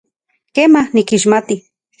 Kema, nikixmati.